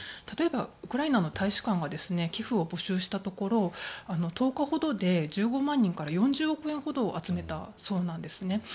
例えば、ウクライナの大使館が寄付を募集したところ１０日ほどで１５万人から４０億円ほどを集めたそうなんですね。